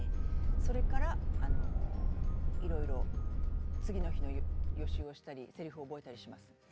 それからいろいろ次の日の予習をしたりせりふを覚えたりします。